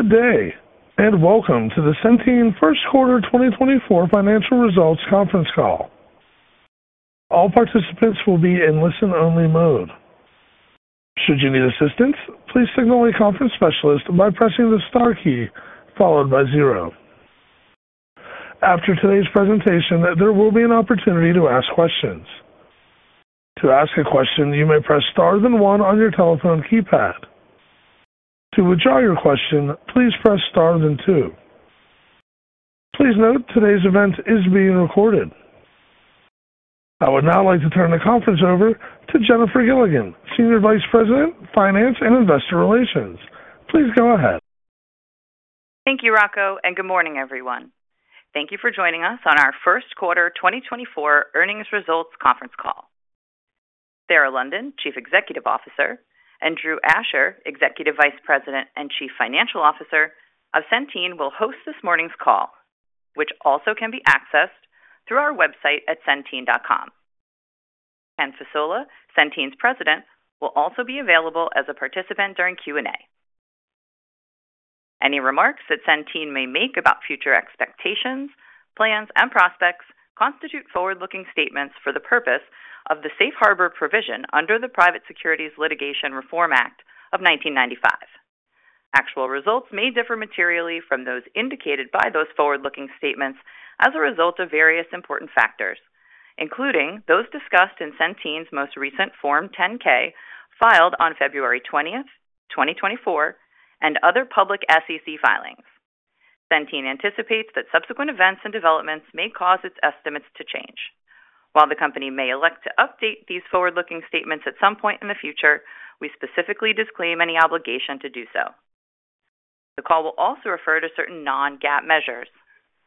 Good day, and welcome to the Centene First Quarter 2024 Financial Results Conference Call. All participants will be in listen-only mode. Should you need assistance, please signal a conference specialist by pressing the star key followed by zero. After today's presentation, there will be an opportunity to ask questions. To ask a question, you may press star then one on your telephone keypad. To withdraw your question, please press star then two. Please note, today's event is being recorded. I would now like to turn the conference over to Jennifer Gilligan, Senior Vice President, Finance, and Investor Relations. Please go ahead. Thank you, Rocco, and good morning, everyone. Thank you for joining us on our first quarter 2024 earnings results conference call. Sarah London, Chief Executive Officer, and Drew Asher, Executive Vice President and Chief Financial Officer of Centene, will host this morning's call, which also can be accessed through our website at centene.com. Ken Fasola, Centene's President, will also be available as a participant during Q&A. Any remarks that Centene may make about future expectations, plans, and prospects constitute forward-looking statements for the purpose of the Safe Harbor provision under the Private Securities Litigation Reform Act of 1995. Actual results may differ materially from those indicated by those forward-looking statements as a result of various important factors, including those discussed in Centene's most recent Form 10-K, filed on February 20, 2024, and other public SEC filings. Centene anticipates that subsequent events and developments may cause its estimates to Change. While the company may elect to update these forward-looking statements at some point in the future, we specifically disclaim any obligation to do so. The call will also refer to certain non-GAAP measures.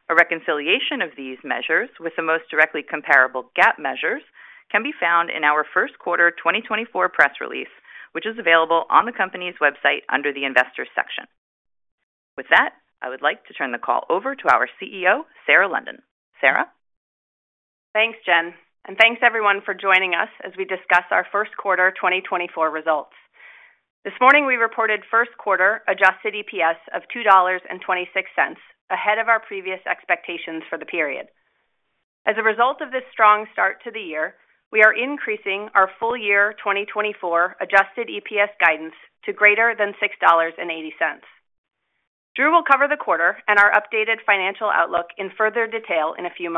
A reconciliation of these measures with the most directly comparable GAAP measures can be found in our first quarter 2024 press release, which is available on the company's website under the Investors section. With that, I would like to turn the call over to our CEO, Sarah London. Sarah? Thanks, Jen, and thanks everyone for joining us as we discuss our first quarter 2024 results. This morning, we reported first quarter adjusted EPS of $2.26, ahead of our previous expectations for the period. As a result of this strong start to the year, we are increasing our full year 2024 adjusted EPS guidance to greater than $6.80. Drew will cover the quarter and our updated financial outlook in further detail in a few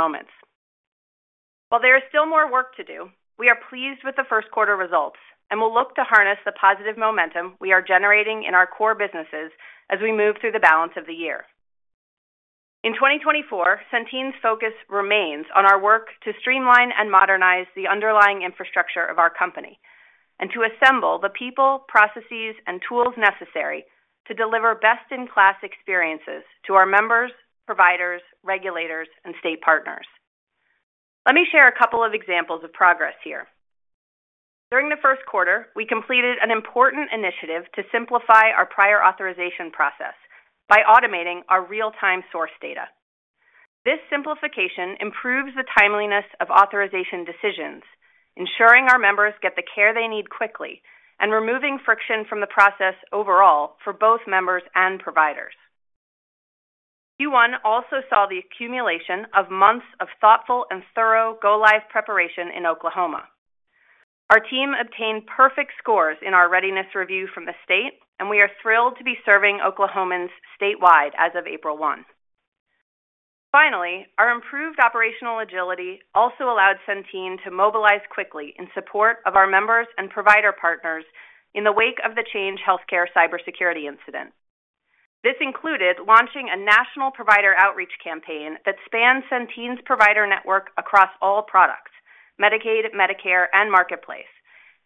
moments. While there is still more work to do, we are pleased with the first quarter results and will look to harness the positive momentum we are generating in our core businesses as we move through the balance of the year.In 2024, Centene's focus remains on our work to streamline and modernize the underlying infrastructure of our company and to assemble the people, processes, and tools necessary to deliver best-in-class experiences to our members, providers, regulators, and state partners. Let me share a couple of examples of progress here. During the first quarter, we completed an important initiative to simplify our prior authorization process by automating our real-time source data. This simplification improves the timeliness of authorization decisions, ensuring our members get the care they need quickly and removing friction from the process overall for both members and providers. Q1 also saw the accumulation of months of thoughtful and thorough go-live preparation in Oklahoma. Our team obtained perfect scores in our readiness review from the state, and we are thrilled to be serving Oklahomans statewide as of April 1. Finally, our improved operational agility also allowed Centene to mobilize quickly in support of our members and provider partners in the wake of the Change Healthcare cybersecurity incident. This included launching a national provider outreach campaign that spans Centene's provider network across all products, Medicaid, Medicare, and Marketplace,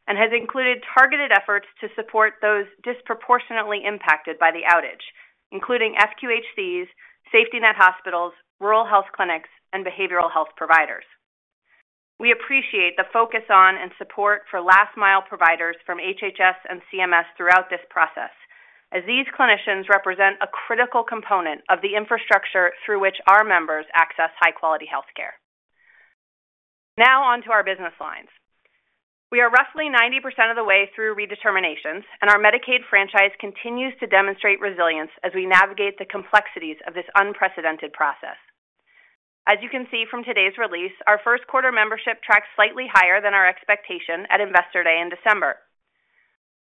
and has included targeted efforts to support those disproportionately impacted by the outage, including FQHCs, safety net hospitals, rural health clinics, and behavioral health providers. We appreciate the focus on and support for last-mile providers from HHS and CMS throughout this process, as these clinicians represent a critical component of the infrastructure through which our members access high-quality healthcare. Now on to our business lines. We are roughly 90% of the way through redeterminations, and our Medicaid franchise continues to demonstrate resilience as we navigate the complexities of this unprecedented process. As you can see from today's release, our first quarter membership tracked slightly higher than our expectation at Investor Day in December.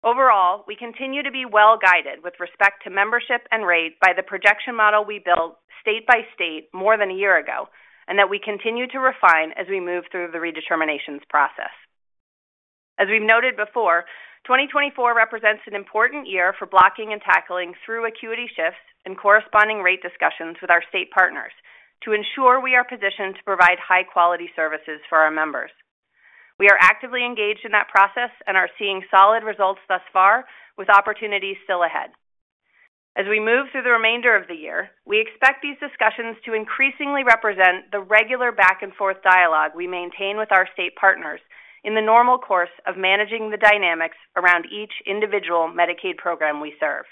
Overall, we continue to be well-guided with respect to membership and rate by the projection model we built state by state more than a year ago, and that we continue to refine as we move through the redeterminations process. As we've noted before, 2024 represents an important year for blocking and tackling through acuity shifts and corresponding rate discussions with our state partners to ensure we are positioned to provide high-quality services for our members. We are actively engaged in that process and are seeing solid results thus far, with opportunities still ahead. As we move through the remainder of the year, we expect these discussions to increasingly represent the regular back-and-forth dialogue we maintain with our state partners in the normal course of managing the dynamics around each individual Medicaid program we serve.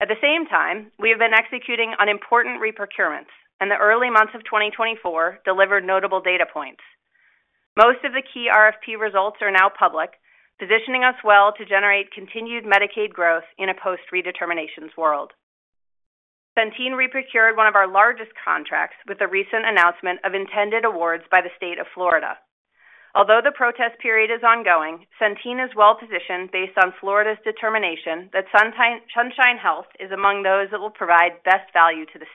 At the same time, we have been executing on important reprocurements, and the early months of 2024 delivered notable data points. Most of the key RFP results are now public, positioning us well to generate continued Medicaid growth in a post-redeterminations world. Centene reprocured one of our largest contracts with the recent announcement of intended awards by the state of Florida. Although the protest period is ongoing, Centene is well-positioned based on Florida's determination that Sunshine Health is among those that will provide best value to the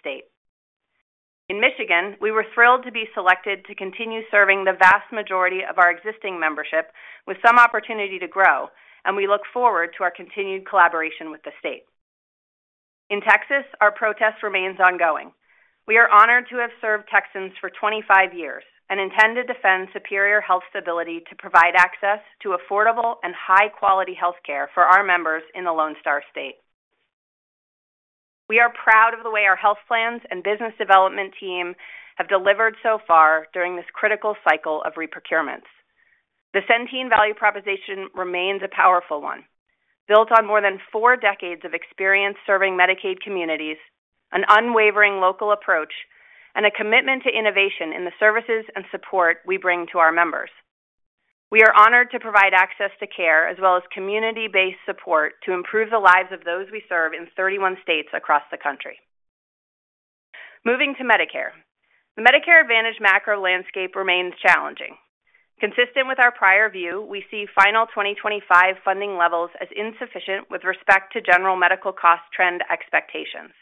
state.In Michigan, we were thrilled to be selected to continue serving the vast majority of our existing membership with some opportunity to grow, and we look forward to our continued collaboration with the state. In Texas, our protest remains ongoing. We are honored to have served Texans for 25 years and intend to defend superior health stability to provide access to affordable and high-quality healthcare for our members in the Lone Star State. We are proud of the way our health plans and business development team have delivered so far during this critical cycle of reprocurement. The Centene value proposition remains a powerful one, built on more than four decades of experience serving Medicaid communities, an unwavering local approach, and a commitment to innovation in the services and support we bring to our members. We are honored to provide access to care as well as community-based support to improve the lives of those we serve in 31 states across the country. Moving to Medicare. The Medicare Advantage macro landscape remains challenging. Consistent with our prior view, we see final 2025 funding levels as insufficient with respect to general medical cost trend expectations.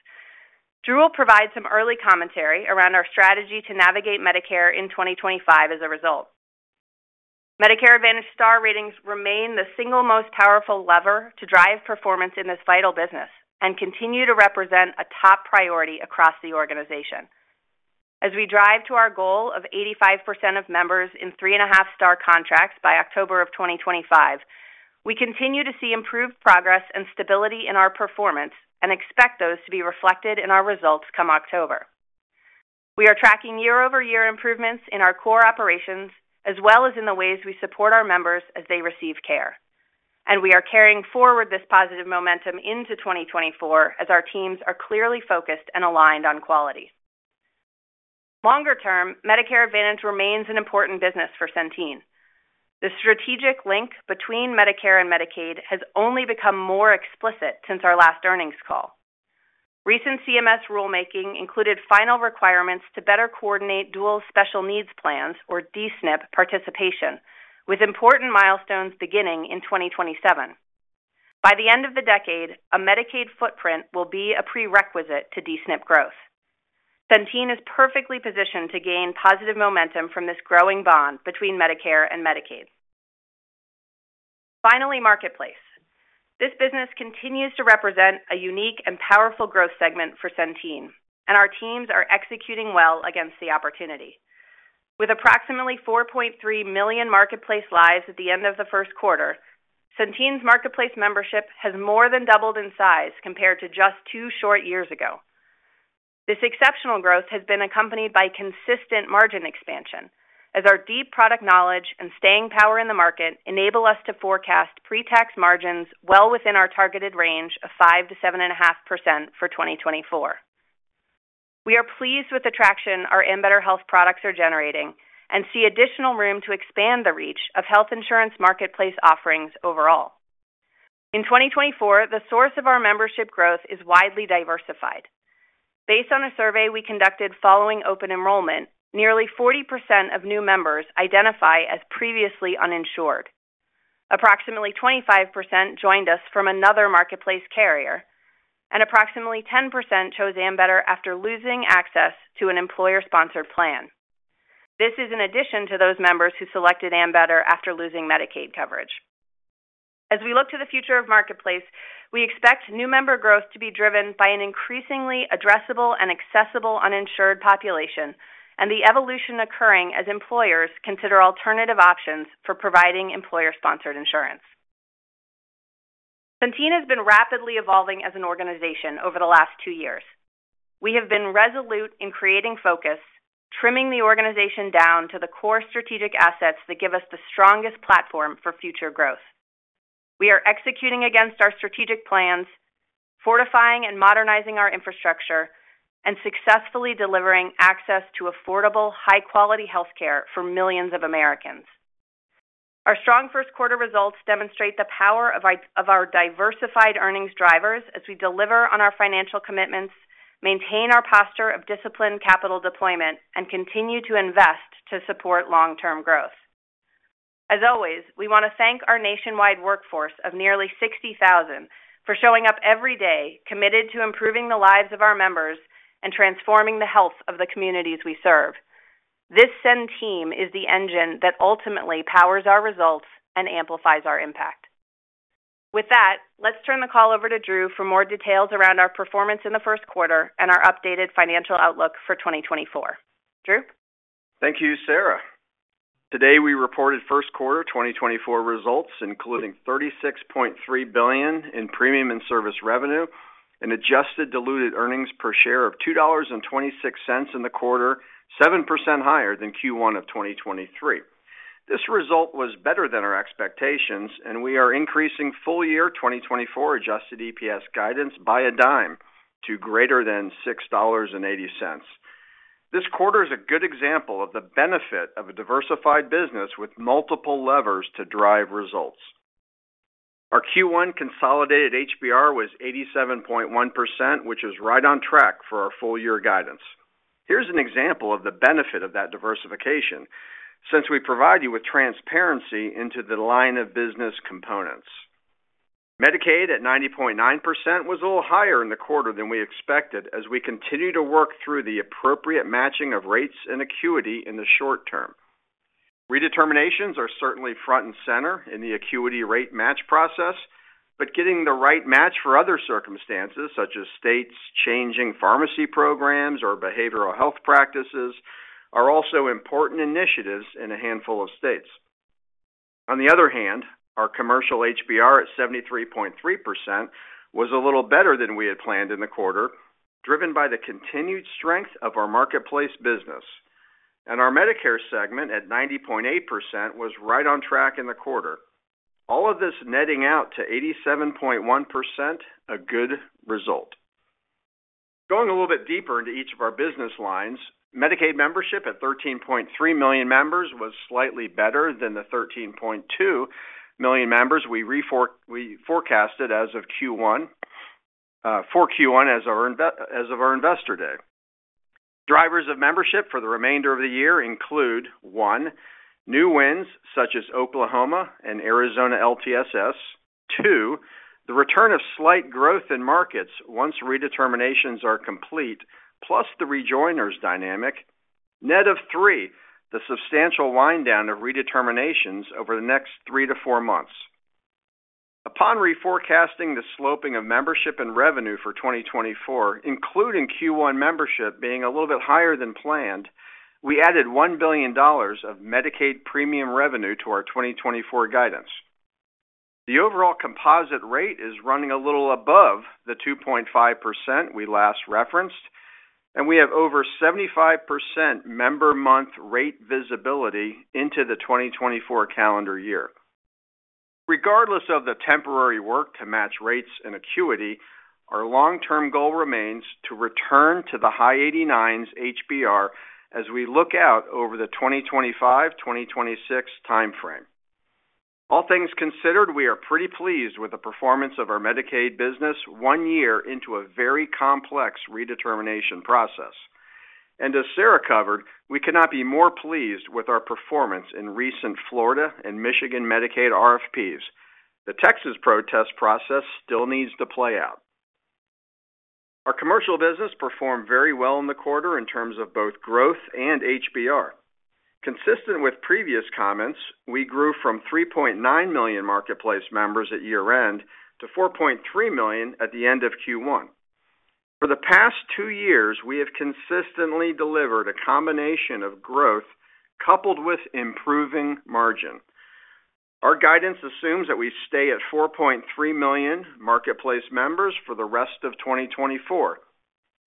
Drew will provide some early commentary around our strategy to navigate Medicare in 2025 as a result. Medicare Advantage Star Ratings remain the single most powerful lever to drive performance in this vital business and continue to represent a top priority across the organization. As we drive to our goal of 85% of members in 3.5-star contracts by October of 2025, we continue to see improved progress and stability in our performance and expect those to be reflected in our results come October.We are tracking year-over-year improvements in our core operations, as well as in the ways we support our members as they receive care, and we are carrying forward this positive momentum into 2024 as our teams are clearly focused and aligned on quality. Longer term, Medicare Advantage remains an important business for Centene. The strategic link between Medicare and Medicaid has only become more explicit since our last earnings call. Recent CMS rulemaking included final requirements to better coordinate Dual Special Needs Plans, or DSNP, participation, with important milestones beginning in 2027. By the end of the decade, a Medicaid footprint will be a prerequisite to DSNP growth. Centene is perfectly positioned to gain positive momentum from this growing bond between Medicare and Medicaid. Finally, Marketplace. This business continues to represent a unique and powerful growth segment for Centene, and our teams are executing well against the opportunity. With approximately 4.3 million Marketplace lives at the end of the first quarter, Centene's Marketplace membership has more than doubled in size compared to just two short years ago. This exceptional growth has been accompanied by consistent margin expansion, as our deep product knowledge and staying power in the market enable us to forecast pre-tax margins well within our targeted range of 5%-7.5% for 2024. We are pleased with the traction our Ambetter Health products are generating and see additional room to expand the reach of health insurance Marketplace offerings overall. In 2024, the source of our membership growth is widely diversified. Based on a survey we conducted following open enrollment, nearly 40% of new members identify as previously uninsured. Approximately 25% joined us from another Marketplace carrier, and approximately 10% chose Ambetter after losing access to an employer-sponsored plan. This is in addition to those members who selected Ambetter after losing Medicaid coverage. As we look to the future of Marketplace, we expect new member growth to be driven by an increasingly addressable and accessible uninsured population and the evolution occurring as employers consider alternative options for providing employer-sponsored insurance. Centene has been rapidly evolving as an organization over the last 2 years. We have been resolute in creating focus, trimming the organization down to the core strategic assets that give us the strongest platform for future growth. We are executing against our strategic plans, fortifying and modernizing our infrastructure, and successfully delivering access to affordable, high-quality healthcare for millions of Americans. Our strong first quarter results demonstrate the power of our diversified earnings drivers as we deliver on our financial commitments, maintain our posture of disciplined capital deployment, and continue to invest to support long-term growth. As always, we want to thank our nationwide workforce of nearly 60,000 for showing up every day, committed to improving the lives of our members and transforming the health of the communities we serve. This CenTeam is the engine that ultimately powers our results and amplifies our impact. With that, let's turn the call over to Drew for more details around our performance in the first quarter and our updated financial outlook for 2024. Drew? Thank you, Sarah. Today, we reported first quarter 2024 results, including $36.3 billion in premium and service revenue and adjusted diluted earnings per share of $2.26 in the quarter, 7% higher than Q1 of 2023. This result was better than our expectations, and we are increasing full year 2024 adjusted EPS guidance by $0.10 to greater than $6.80. This quarter is a good example of the benefit of a diversified business with multiple levers to drive results. Our Q1 consolidated HBR was 87.1%, which is right on track for our full year guidance. Here's an example of the benefit of that diversification, since we provide you with transparency into the line of business components. Medicaid, at 90.9%, was a little higher in the quarter than we expected, as we continue to work through the appropriate matching of rates and acuity in the short term. Redeterminations are certainly front and center in the acuity rate match process, but getting the right match for other circumstances, such as states changing pharmacy programs or behavioral health practices, are also important initiatives in a handful of states. On the other hand, our commercial HBR at 73.3%, was a little better than we had planned in the quarter, driven by the continued strength of our Marketplace business. And our Medicare segment, at 90.8%, was right on track in the quarter. All of this netting out to 87.1%, a good result. Going a little bit deeper into each of our business lines, Medicaid membership at 13.3 million members was slightly better than the 13.2 million members we forecasted as of Q1 for Q1, as of our Investor Day. Drivers of membership for the remainder of the year include, one, new wins such as Oklahoma and Arizona LTSS. Two, the return of slight growth in markets once redeterminations are complete, plus the rejoiners dynamic. Net of three, the substantial wind down of redeterminations over the next three to four months. Upon reforecasting the sloping of membership and revenue for 2024, including Q1 membership being a little bit higher than planned, we added $1 billion of Medicaid premium revenue to our 2024 guidance. The overall composite rate is running a little above the 2.5% we last referenced, and we have over 75% member month rate visibility into the 2024 calendar year. Regardless of the temporary work to match rates and acuity, our long-term goal remains to return to the high 80s HBR as we look out over the 2025, 2026 timeframe. All things considered, we are pretty pleased with the performance of our Medicaid business one year into a very complex redetermination process. As Sarah covered, we cannot be more pleased with our performance in recent Florida and Michigan Medicaid RFPs. The Texas protest process still needs to play out. Our commercial business performed very well in the quarter in terms of both growth and HBR. Consistent with previous comments, we grew from 3.9 million Marketplace members at year-end to 4.3 million at the end of Q1. For the past two years, we have consistently delivered a combination of growth coupled with improving margin. Our guidance assumes that we stay at 4.3 million Marketplace members for the rest of 2024.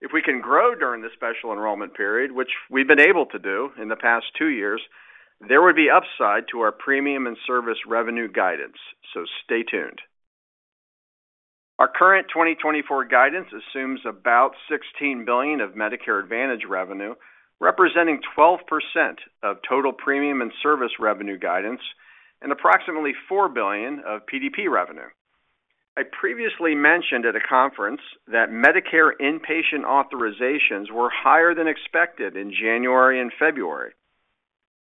If we can grow during the special enrollment period, which we've been able to do in the past two years, there would be upside to our premium and service revenue guidance, so stay tuned. Our current 2024 guidance assumes about $16 billion of Medicare Advantage revenue, representing 12% of total premium and service revenue guidance, and approximately $4 billion of PDP revenue. I previously mentioned at a conference that Medicare inpatient authorizations were higher than expected in January and February.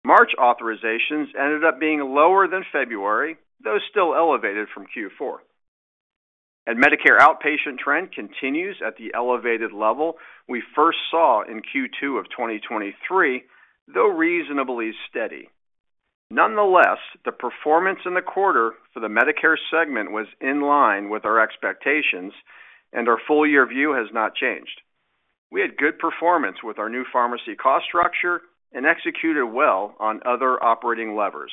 March authorizations ended up being lower than February, though still elevated from Q4. Medicare outpatient trend continues at the elevated level we first saw in Q2 of 2023, though reasonably steady. Nonetheless, the performance in the quarter for the Medicare segment was in line with our expectations, and our full year view has not changed. We had good performance with our new pharmacy cost structure and executed well on other operating levers.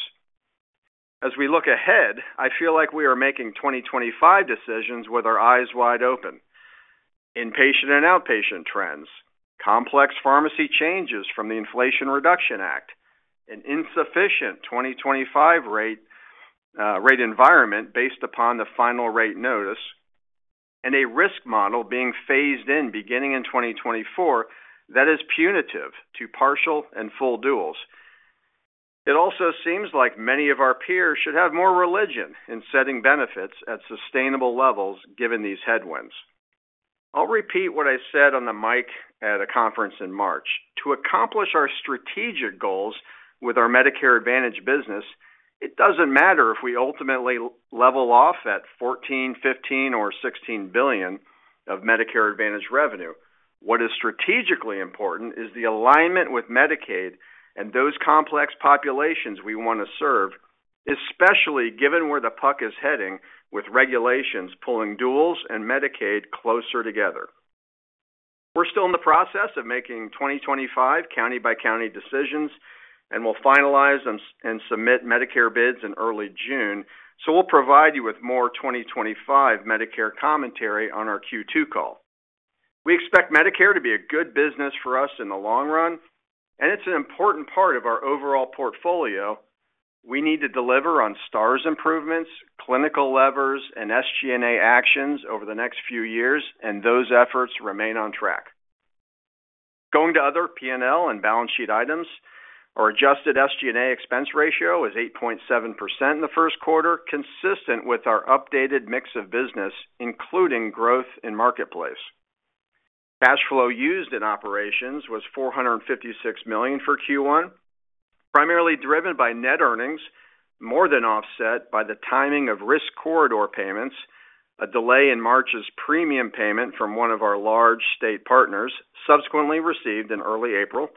As we look ahead, I feel like we are making 2025 decisions with our eyes wide open. Inpatient and outpatient trends, complex pharmacy changes from the Inflation Reduction Act, an insufficient 2025 rate, rate environment based upon the final rate notice, and a risk model being phased in beginning in 2024, that is punitive to partial and full duals.It also seems like many of our peers should have more religion in setting benefits at sustainable levels, given these headwinds. I'll repeat what I said on the mic at a conference in March. To accomplish our strategic goals with our Medicare Advantage business, it doesn't matter if we ultimately level off at $14 billion, $15 billion, or $16 billion of Medicare Advantage revenue. What is strategically important is the alignment with Medicaid and those complex populations we want to serve, especially given where the puck is heading with regulations pulling duals and Medicaid closer together. We're still in the process of making 2025 county-by-county decisions, and we'll finalize and submit Medicare bids in early June, so we'll provide you with more 2025 Medicare commentary on our Q2 call. We expect Medicare to be a good business for us in the long run, and it's an important part of our overall portfolio. We need to deliver on Stars improvements, clinical levers, and SG&A actions over the next few years, and those efforts remain on track. Going to other PNL and balance sheet items, our adjusted SG&A expense ratio is 8.7% in the first quarter, consistent with our updated mix of business, including growth in Marketplace. Cash flow used in operations was $456 million for Q1, primarily driven by net earnings, more than offset by the timing of risk corridor payments, a delay in March's premium payment from one of our large state partners, subsequently received in early April,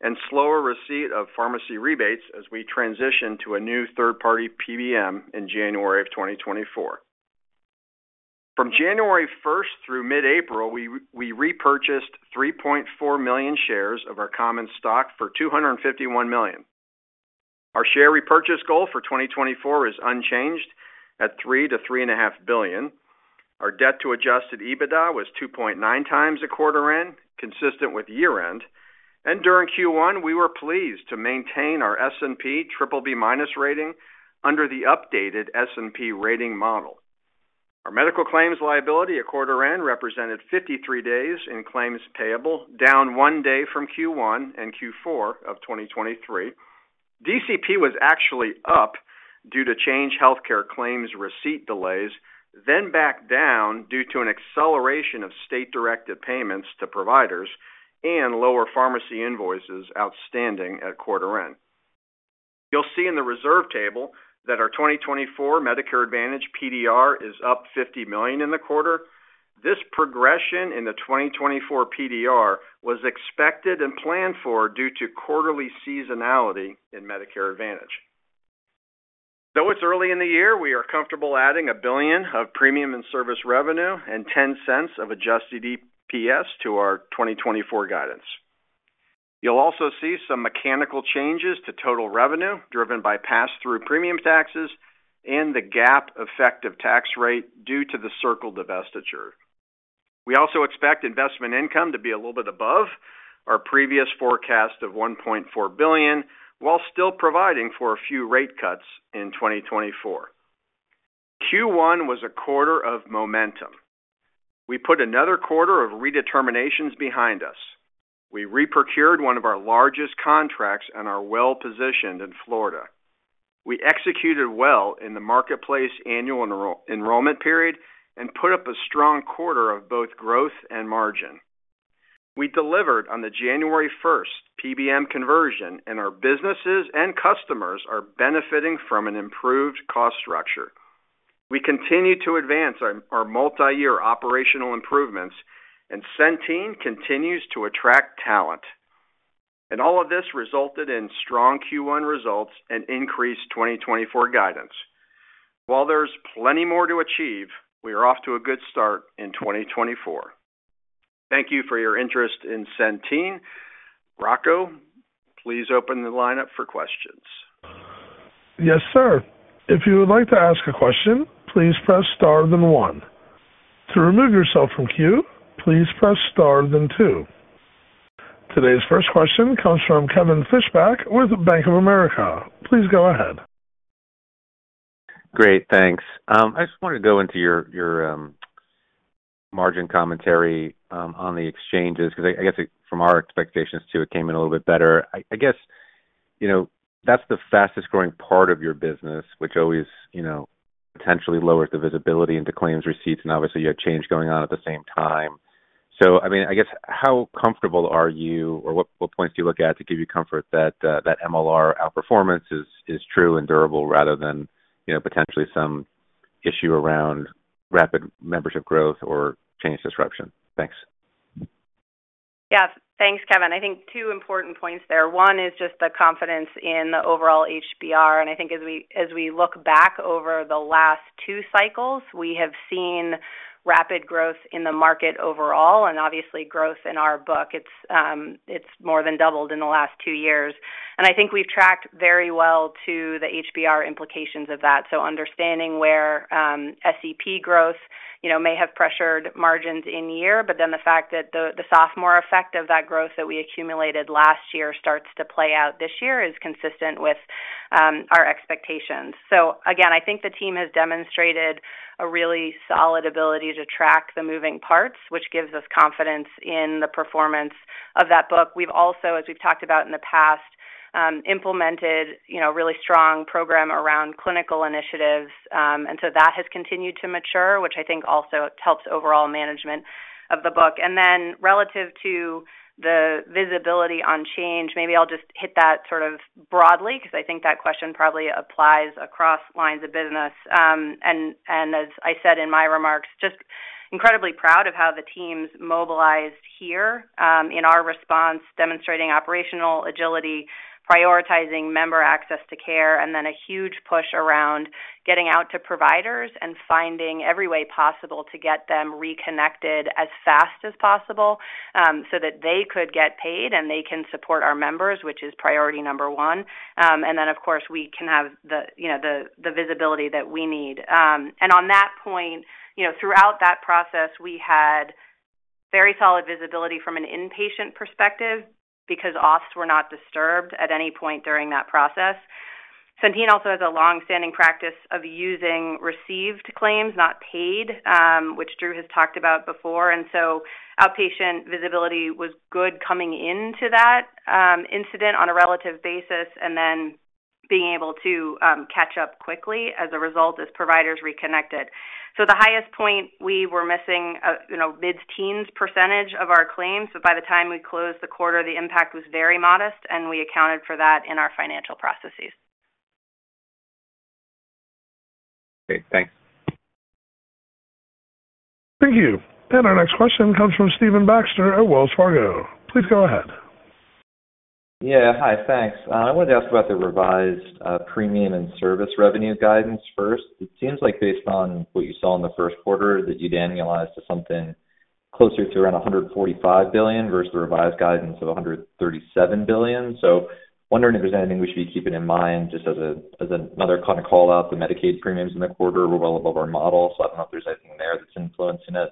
and slower receipt of pharmacy rebates as we transition to a new third-party PBM in January 2024.From January 1 through mid-April, we repurchased 3.4 million shares of our common stock for $251 million. Our share repurchase goal for 2024 is unchanged at $3 billion-$3.5 billion. Our debt to adjusted EBITDA was 2.9x at quarter end, consistent with year-end. During Q1, we were pleased to maintain our S&P BBB- rating under the updated S&P rating model. Our medical claims liability at quarter end represented 53 days in claims payable, down one day from Q1 and Q4 of 2023. DCP was actually up due to Change Healthcare claims receipt delays, then back down due to an acceleration of state-directed payments to providers and lower pharmacy invoices outstanding at quarter end. You'll see in the reserve table that our 2024 Medicare Advantage PDR is up $50 million in the quarter. This progression in the 2024 PDR was expected and planned for due to quarterly seasonality in Medicare Advantage. Though it's early in the year, we are comfortable adding $1 billion of premium and service revenue and $0.10 of adjusted EPS to our 2024 guidance. You'll also see some mechanical changes to total revenue, driven by pass-through premium taxes and the GAAP effective tax rate due to the Circle divestiture. We also expect investment income to be a little bit above our previous forecast of $1.4 billion, while still providing for a few rate cuts in 2024. Q1 was a quarter of momentum. We put another quarter of redeterminations behind us. We reprocured one of our largest contracts and are well positioned in Florida. We executed well in the Marketplace annual enrollment period and put up a strong quarter of both growth and margin. We delivered on the January first PBM conversion, and our businesses and customers are benefiting from an improved cost structure. We continue to advance our multi-year operational improvements, and Centene continues to attract talent. All of this resulted in strong Q1 results and increased 2024 guidance. While there's plenty more to achieve, we are off to a good start in 2024. Thank you for your interest in Centene. Rocco, please open the line up for questions. Yes, sir. If you would like to ask a question, please press star, then one. To remove yourself from queue, please press star, then two. Today's first question comes from Kevin Fischbeck with Bank of America. Please go ahead. Great, thanks. I just wanted to go into your margin commentary on the exchanges, because I guess from our expectations, too, it came in a little bit better. I guess, you know, that's the fastest growing part of your business, which always, you know, potentially lowers the visibility into claims receipts, and obviously, you have Change going on at the same time. So, I mean, I guess, how comfortable are you, or what points do you look at to give you comfort that that MLR outperformance is true and durable rather than, you know, potentially some issue around rapid membership growth or Change disruption? Thanks. Yeah. Thanks, Kevin. I think two important points there. One is just the confidence in the overall HBR, and I think as we, as we look back over the last two cycles, we have seen rapid growth in the market overall, and obviously growth in our book. It's, it's more than doubled in the last two years. And I think we've tracked very well to the HBR implications of that. So understanding where, SEP growth, you know, may have pressured margins in year, but then the fact that the, the sophomore effect of that growth that we accumulated last year starts to play out this year is consistent with, our expectations. So again, I think the team has demonstrated a really solid ability to track the moving parts, which gives us confidence in the performance of that book. We've also, as we've talked about in the past, implemented, you know, really strong program around clinical initiatives, and so that has continued to mature, which I think also helps overall management of the book. And then relative to the visibility on change, maybe I'll just hit that sort of broadly, because I think that question probably applies across lines of business. And as I said in my remarks, just incredibly proud of how the teams mobilized here, in our response, demonstrating operational agility, prioritizing member access to care, and then a huge push around getting out to providers and finding every way possible to get them reconnected as fast as possible, so that they could get paid and they can support our members, which is priority number one. And then, of course, we can have the, you know, the visibility that we need. And on that point, you know, throughout that process, we had very solid visibility from an inpatient perspective, because FFS were not disturbed at any point during that process. Centene also has a long-standing practice of using received claims, not paid. Which Drew has talked about before, and so outpatient visibility was good coming into that incident on a relative basis, and then being able to catch up quickly as a result, as providers reconnected. So the highest point we were missing, you know, mid-teens% of our claims, but by the time we closed the quarter, the impact was very modest, and we accounted for that in our financial processes. Great. Thanks. Thank you. And our next question comes from Stephen Baxter at Wells Fargo. Please go ahead. Yeah. Hi, thanks. I wanted to ask about the revised premium and service revenue guidance first. It seems like based on what you saw in the first quarter, that you'd annualized to something closer to around $145 billion versus the revised guidance of $137 billion. So wondering if there's anything we should be keeping in mind just as a, as another kind of call out, the Medicaid premiums in the quarter were well above our model, so I don't know if there's anything there that's influencing it.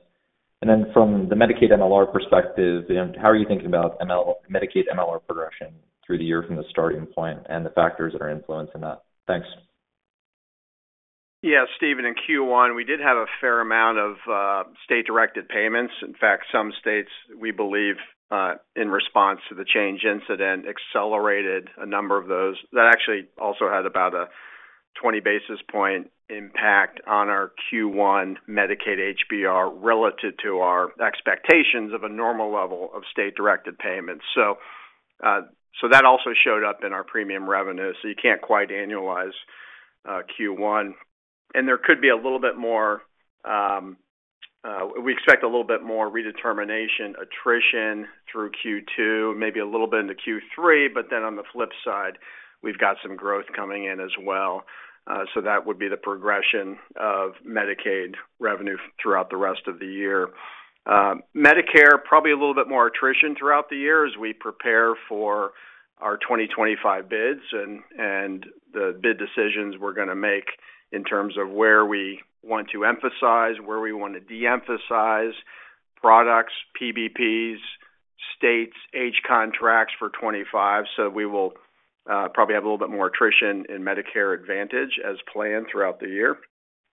And then from the Medicaid MLR perspective, how are you thinking about Medicaid MLR progression through the year from the starting point and the factors that are influencing that? Thanks. Yeah, Stephen, in Q1, we did have a fair amount of state-directed payments. In fact, some states, we believe, in response to the change incident, accelerated a number of those. That actually also had about a 20 basis point impact on our Q1 Medicaid HBR, relative to our expectations of a normal level of state-directed payments. So, so that also showed up in our premium revenue, so you can't quite annualize Q1. And there could be a little bit more, we expect a little bit more redetermination attrition through Q2, maybe a little bit into Q3, but then on the flip side, we've got some growth coming in as well. So that would be the progression of Medicaid revenue throughout the rest of the year. Medicare, probably a little bit more attrition throughout the year as we prepare for our 2025 bids and the bid decisions we're gonna make in terms of where we want to emphasize, where we want to de-emphasize products, PBPs, states, and contracts for 2025. So we will probably have a little bit more attrition in Medicare Advantage as planned throughout the year.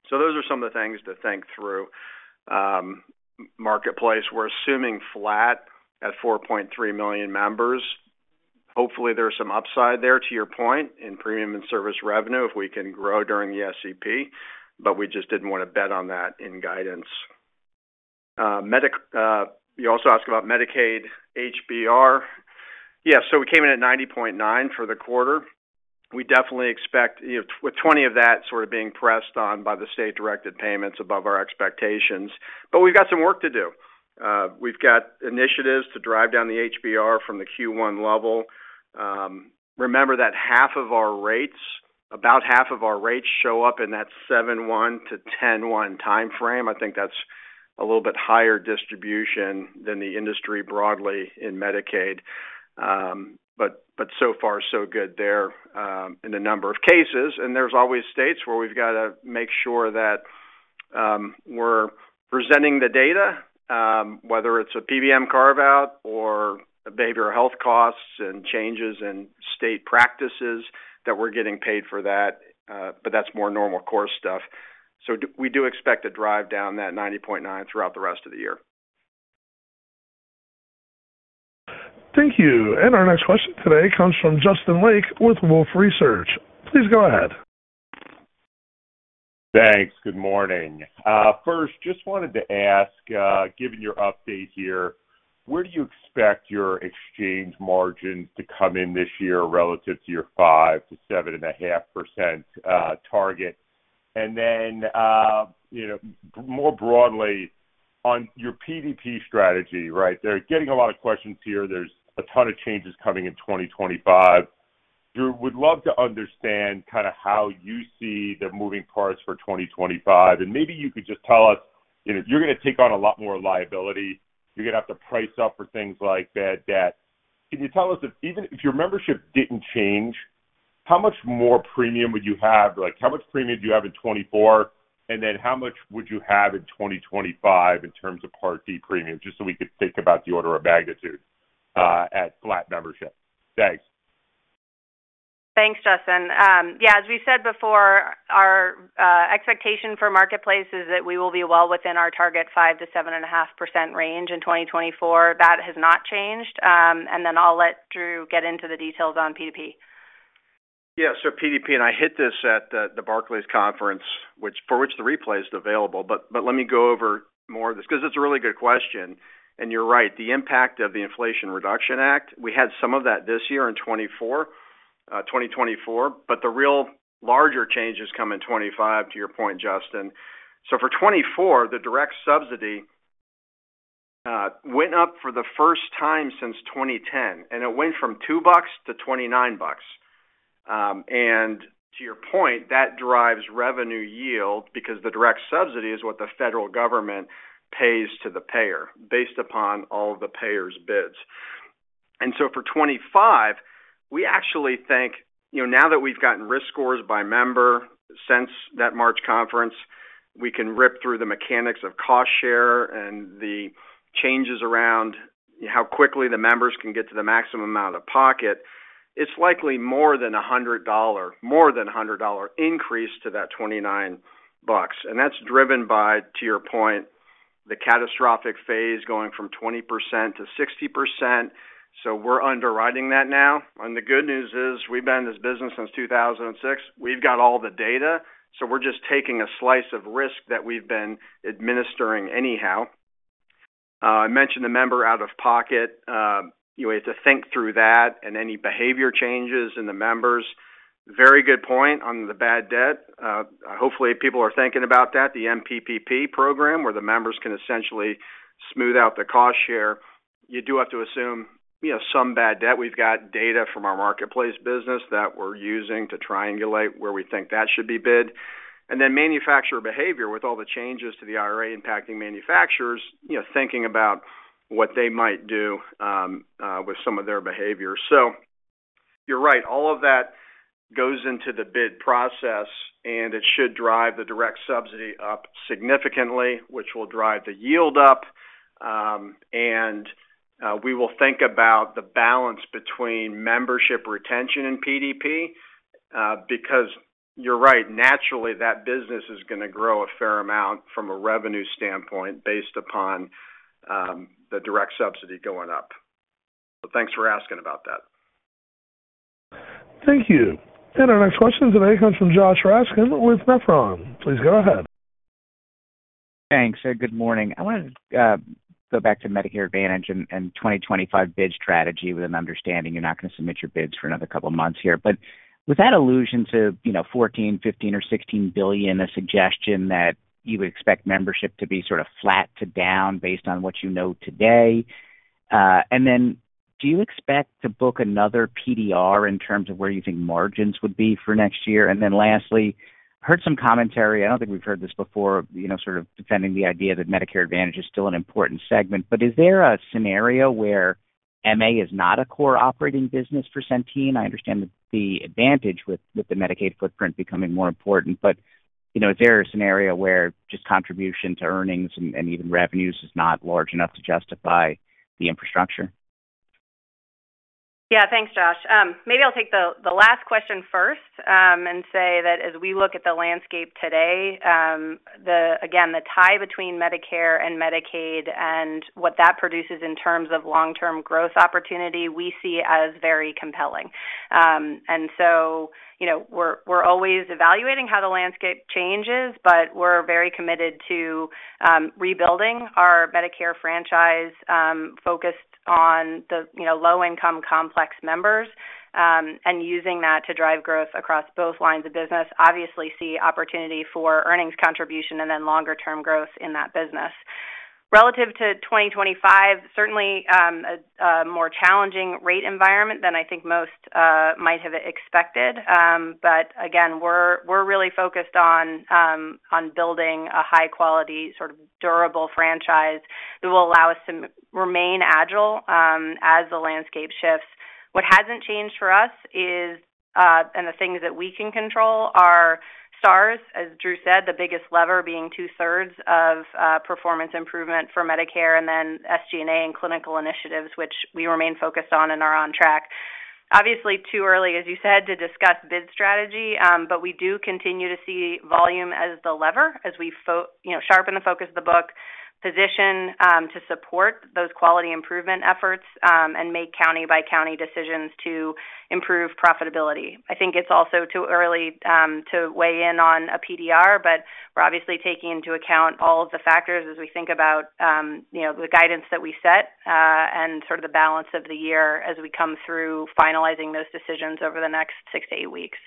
So those are some of the things to think through. Marketplace, we're assuming flat at 4.3 million members. Hopefully, there are some upside there, to your point, in premium and service revenue, if we can grow during the SEP, but we just didn't want to bet on that in guidance. You also asked about Medicaid HBR. Yeah, so we came in at 90.9% for the quarter. We definitely expect, you know, with 20 of that sort of being pressed on by the state-directed payments above our expectations, but we've got some work to do. We've got initiatives to drive down the HBR from the Q1 level. Remember that half of our rates, about half of our rates show up in that 7/1 to 10/1 timeframe. I think that's a little bit higher distribution than the industry broadly in Medicaid. But, but so far, so good there, in a number of cases. And there's always states where we've got to make sure that, we're presenting the data, whether it's a PBM carve-out or behavioral health costs and changes in state practices, that we're getting paid for that, but that's more normal course stuff. We do expect to drive down that 90.9 throughout the rest of the year. Thank you. And our next question today comes from Justin Lake with Wolfe Research. Please go ahead. Thanks. Good morning. First, just wanted to ask, given your update here, where do you expect your exchange margins to come in this year relative to your 5%-7.5% target? And then, you know, more broadly, on your PDP strategy, right, they're getting a lot of questions here. There's a ton of changes coming in 2025. Drew, would love to understand kind of how you see the moving parts for 2025, and maybe you could just tell us, you know, you're gonna take on a lot more liability. You're gonna have to price up for things like bad debt. Can you tell us if, even if your membership didn't change, how much more premium would you have? Like, how much premium do you have in 2024, and then how much would you have in 2025 in terms of Part D premiums, just so we could think about the order of magnitude, at flat membership? Thanks. Thanks, Justin. Yeah, as we said before, our expectation for Marketplace is that we will be well within our target 5%-7.5% range in 2024. That has not changed. And then I'll let Drew get into the details on PDP. Yeah, so PDP, and I hit this at the Barclays conference, which for which the replay is available. But let me go over more of this because it's a really good question, and you're right. The impact of the Inflation Reduction Act, we had some of that this year in 2024, but the real larger changes come in 2025, to your point, Justin. So for 2024, the direct subsidy went up for the first time since 2010, and it went from $2 to $29. And to your point, that drives revenue yield because the direct subsidy is what the federal government pays to the payer based upon all of the payer's bids. And so for 2025, we actually think, you know, now that we've gotten risk scores by member since that March conference, we can rip through the mechanics of cost share and the changes around how quickly the members can get to the maximum out-of-pocket. It's likely more than $100, more than $100 increase to that $29. And that's driven by, to your point, the catastrophic phase going from 20%-60%. So we're underwriting that now. And the good news is, we've been in this business since 2006. We've got all the data, so we're just taking a slice of risk that we've been administering anyhow.I mentioned the member out of pocket, you know, to think through that and any behavior changes in the members. Very good point on the bad debt. Hopefully, people are thinking about that, the MPPP program, where the members can essentially smooth out the cost share. You do have to assume, you know, some bad debt. We've got data from our Marketplace business that we're using to triangulate where we think that should be bid. And then manufacturer behavior, with all the changes to the IRA impacting manufacturers, you know, thinking about what they might do, with some of their behavior. So you're right. All of that goes into the bid process, and it should drive the direct subsidy up significantly, which will drive the yield up. and, we will think about the balance between membership retention and PDP, because you're right, naturally, that business is gonna grow a fair amount from a revenue standpoint based upon the direct subsidy going up. So thanks for asking about that. Thank you. Our next question today comes from Josh Raskin with Nephron. Please go ahead. Thanks, good morning. I wanted to go back to Medicare Advantage and 2025 bid strategy with an understanding you're not gonna submit your bids for another couple of months here. But with that allusion to, you know, $14 billion, $15 billion or $16 billion, a suggestion that you would expect membership to be sort of flat to down based on what you know today. And then do you expect to book another PDR in terms of where you think margins would be for next year? And then lastly, heard some commentary, I don't think we've heard this before, you know, sort of defending the idea that Medicare Advantage is still an important segment. But is there a scenario where MA is not a core operating business for Centene?I understand the advantage with, with the Medicaid footprint becoming more important, but, you know, is there a scenario where just contribution to earnings and, and even revenues is not large enough to justify the infrastructure? Yeah, thanks, Josh. Maybe I'll take the last question first, and say that as we look at the landscape today, again, the tie between Medicare and Medicaid and what that produces in terms of long-term growth opportunity, we see as very compelling. And so, you know, we're always evaluating how the landscape changes, but we're very committed to rebuilding our Medicare franchise, focused on the, you know, low income complex members, and using that to drive growth across both lines of business. Obviously, see opportunity for earnings contribution and then longer term growth in that business. Relative to 2025, certainly, a more challenging rate environment than I think most might have expected. But again, we're really focused on building a high quality, sort of durable franchise that will allow us to remain agile as the landscape shifts. What hasn't changed for us is the things that we can control are Stars. As Drew said, the biggest lever being 2/3 of performance improvement for Medicare and then SG&A and clinical initiatives, which we remain focused on and are on track. Obviously, too early, as you said, to discuss bid strategy, but we do continue to see volume as the lever, as we you know, sharpen the focus of the book, position to support those quality improvement efforts and make county by county decisions to improve profitability.I think it's also too early to weigh in on a PDR, but we're obviously taking into account all of the factors as we think about, you know, the guidance that we set, and sort of the balance of the year as we come through finalizing those decisions over the next 6-8 weeks.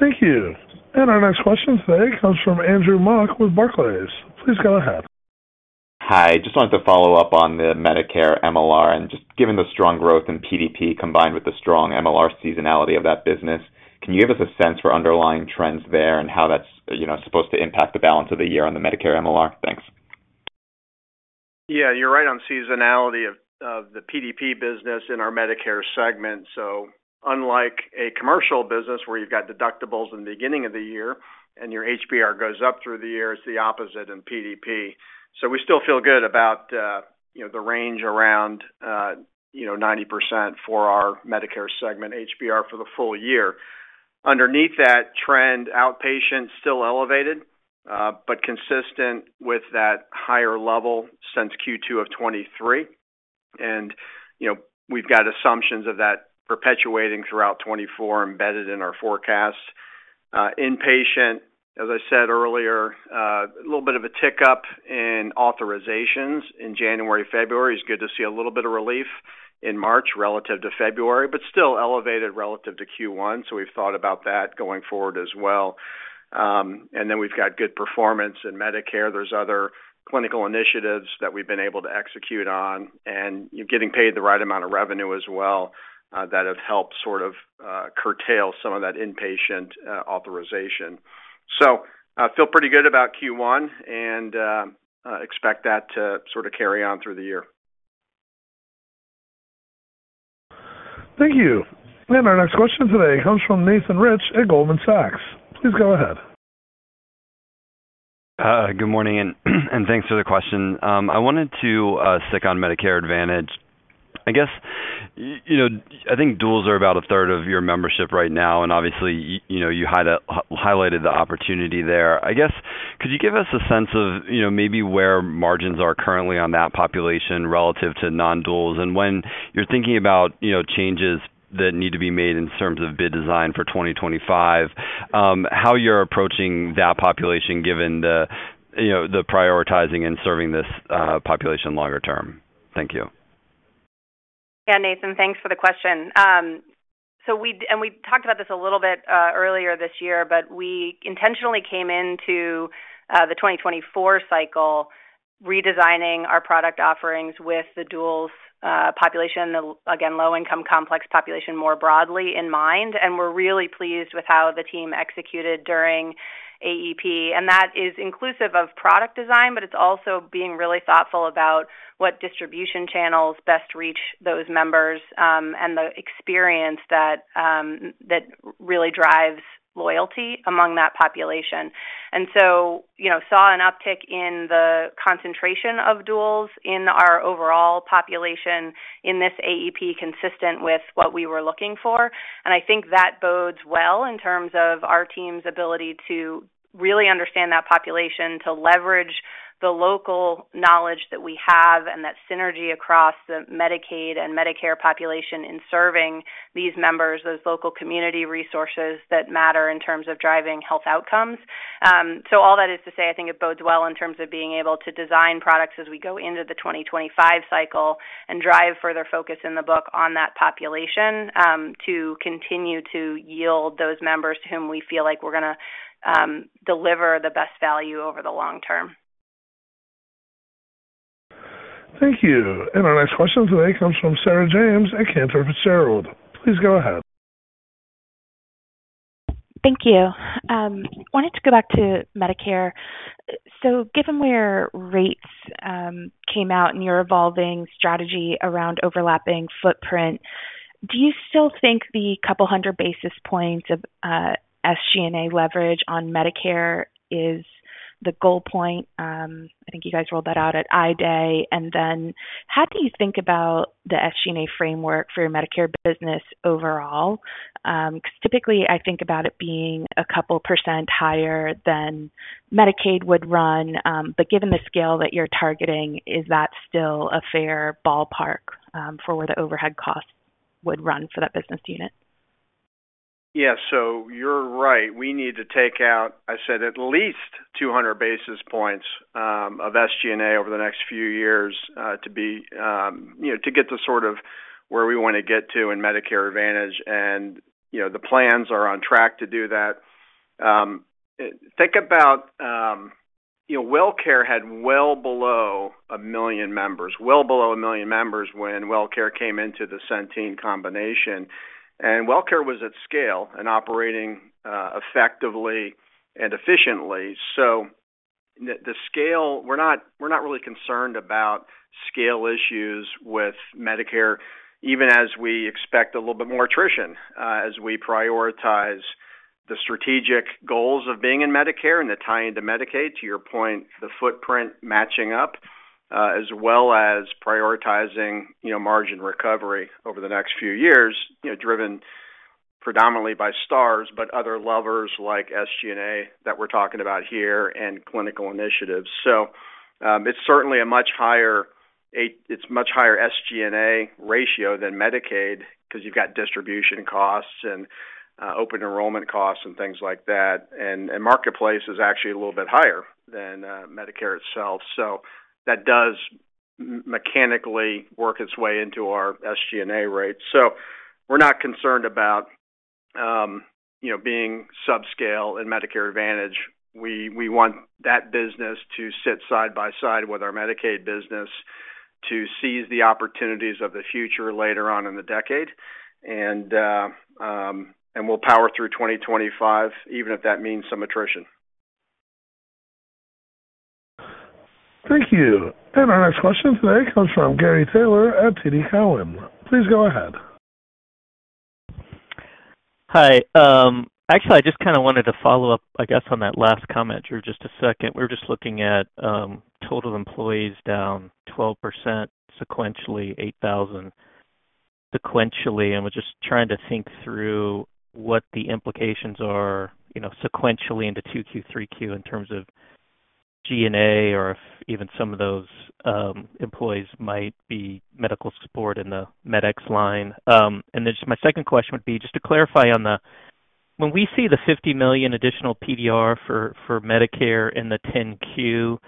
Thank you. And our next question today comes from Andrew Mok with Barclays. Please go ahead. Hi, just wanted to follow up on the Medicare MLR, and just given the strong growth in PDP, combined with the strong MLR seasonality of that business, can you give us a sense for underlying trends there and how that's, you know, supposed to impact the balance of the year on the Medicare MLR? Thanks. Yeah, you're right on seasonality of the PDP business in our Medicare segment. So unlike a commercial business, where you've got deductibles in the beginning of the year, and your HBR goes up through the year, it's the opposite in PDP. So we still feel good about, you know, the range around, you know, 90% for our Medicare segment, HBR, for the full year. Underneath that trend, outpatient still elevated, but consistent with that higher level since Q2 of 2023. And, you know, we've got assumptions of that perpetuating throughout 2024, embedded in our forecast. Inpatient, as I said earlier, a little bit of a tick up in authorizations in January, February. It's good to see a little bit of relief in March relative to February, but still elevated relative to Q1, so we've thought about that going forward as well. And then we've got good performance in Medicare. There's other clinical initiatives that we've been able to execute on, and you're getting paid the right amount of revenue as well, that have helped sort of, curtail some of that inpatient, authorization. So, feel pretty good about Q1, and, expect that to sort of carry on through the year. Thank you. Our next question today comes from Nathan Rich at Goldman Sachs. Please go ahead. Good morning, and thanks for the question. I wanted to stick on Medicare Advantage. I guess, you know, I think duals are about a third of your membership right now, and obviously, you know, you highlighted the opportunity there. I guess, could you give us a sense of, you know, maybe where margins are currently on that population relative to non-duals? And when you're thinking about, you know, changes that need to be made in terms of bid design for 2025, how you're approaching that population, given the, you know, the prioritizing and serving this population longer term? Thank you. Yeah, Nathan, thanks for the question. So we, and we talked about this a little bit earlier this year, but we intentionally came into the 2024 cycle, redesigning our product offerings with the duals population, the again low-income, complex population more broadly in mind, and we're really pleased with how the team executed during AEP. And that is inclusive of product design, but it's also being really thoughtful about what distribution channels best reach those members, and the experience that that really drives loyalty among that population. And so, you know, saw an uptick in the concentration of duals in our overall population in this AEP, consistent with what we were looking for, and I think that bodes well in terms of our team's ability to really understand that population, to leverage the local knowledge that we have and that synergy across the Medicaid and Medicare population in serving these members, those local community resources that matter in terms of driving health outcomes. So all that is to say, I think it bodes well in terms of being able to design products as we go into the 2025 cycle and drive further focus in the book on that population, to continue to yield those members to whom we feel like we're gonna deliver the best value over the long term. Thank you. Our next question today comes from Sarah James at Cantor Fitzgerald. Please go ahead. Thank you. Wanted to go back to Medicare. So given where rates, came out and your evolving strategy around overlapping footprint, do you still think the couple hundred basis points of, SG&A leverage on Medicare is the goal point? I think you guys rolled that out at I-Day. And then how do you think about the SG&A framework for your Medicare business overall? 'Cause typically, I think about it being a couple percent higher than Medicaid would run, but given the scale that you're targeting, is that still a fair ballpark, for where the overhead costs would run for that business unit? Yeah. So you're right. We need to take out, I said, at least 200 basis points of SG&A over the next few years to be, you know, to get to sort of where we want to get to in Medicare Advantage, and, you know, the plans are on track to do that. Think about, you know, WellCare had well below 1 million members, well below 1 million members when WellCare came into the Centene combination, and WellCare was at scale and operating effectively and efficiently. So the scale, we're not really concerned about scale issues with Medicare, even as we expect a little bit more attrition, as we prioritize the strategic goals of being in Medicare and the tie-in to Medicaid, to your point, the footprint matching up, as well as prioritizing, you know, margin recovery over the next few years, you know, driven predominantly by Stars, but other levers like SG&A that we're talking about here, and clinical initiatives. So, it's certainly a much higher—it's much higher SG&A ratio than Medicaid because you've got distribution costs and, open enrollment costs and things like that, and Marketplace is actually a little bit higher than, Medicare itself. So that does mechanically work its way into our SG&A rates. So we're not concerned about, you know, being subscale in Medicare Advantage.We want that business to sit side by side with our Medicaid business to seize the opportunities of the future later on in the decade. And we'll power through 2025, even if that means some attrition. Thank you. Our next question today comes from Gary Taylor at TD Cowen. Please go ahead. Hi. Actually, I just kind of wanted to follow up, I guess, on that last comment for just a second. We're just looking at total employees down 12% sequentially, 8,000 sequentially, and we're just trying to think through what the implications are, you know, sequentially into 2Q, 3Q in terms of G&A or if even some of those employees might be medical support in the Med Ex line. And then just my second question would be, just to clarify on the... When we see the $50 million additional PDR for Medicare in the 10-Q,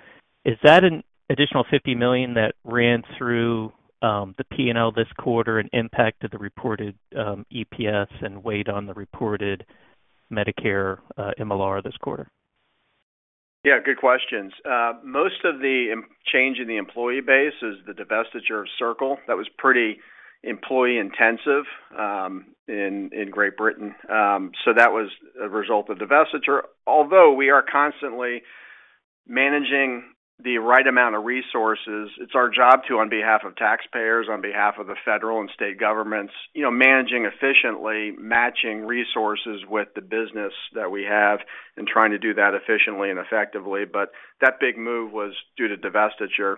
is that an additional $50 million that ran through the P&L this quarter and impacted the reported EPS and weighed on the reported Medicare MLR this quarter? Yeah, good questions. Most of the change in the employee base is the divestiture of Circle. That was pretty employee-intensive in Great Britain. So that was a result of divestiture, although we are constantly managing the right amount of resources. It's our job to, on behalf of taxpayers, on behalf of the federal and state governments, you know, managing efficiently, matching resources with the business that we have and trying to do that efficiently and effectively. But that big move was due to divestiture.